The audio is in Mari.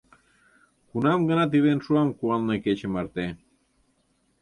Кунам-гынат илен шуам Куанле кече марте.